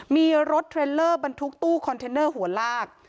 มีรถเทรลเลอร์บรรทุกตู้คอนเทนเนอร์หัวลาก